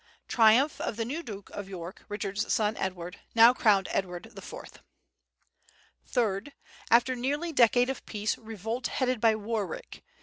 Triumph of the new Duke of York, Richard's son, Edward, now crowned Edward IV. Third After nearly decade of peace, revolt headed by Warwick.